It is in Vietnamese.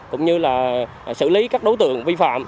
cũng như là xử lý các đối tượng vi phạm